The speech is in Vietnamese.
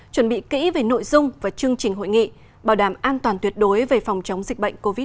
chuẩn bị kỹ về nội dung và chương trình hội nghị bảo đảm an toàn tuyệt đối về phòng chống dịch bệnh covid một mươi chín